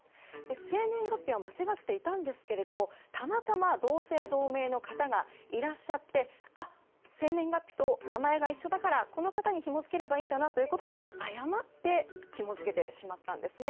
生年月日は間違っていたんですがたまたま同姓同名の方がいらっしゃって生年月日と名前が一緒だからこの方に、ひも付ければいいんだなということで誤ってひも付けてしまったんですね。